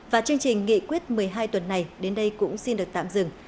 và chương trình nghị quyết một mươi hai tuần này đến đây cũng xin được tạm dừng